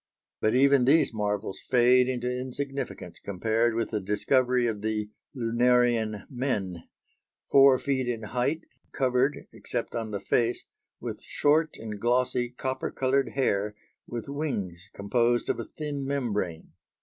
But even these marvels fade into insignificance compared with the discovery of the lunarian men "four feet in height, covered, except on the face, with short and glossy copper coloured hair, with wings composed of a thin membrane."